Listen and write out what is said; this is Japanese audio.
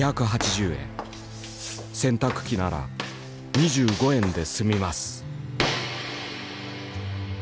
洗濯機なら２５円で済みます」。